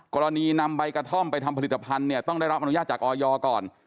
กรณีนำใบกระท่อมไปทำผลิตภัณฑ์เนี่ยต้องได้รับอนุญาตจากออยก่อน